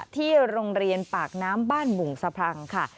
ที่โรงเรียนปากน้ำบ้านบุงสะพรั่งค่ะ